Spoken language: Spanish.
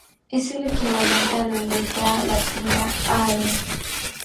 Es el equivalente a la letra latina Æ.